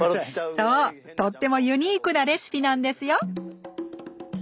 そうとってもユニークなレシピなんですよ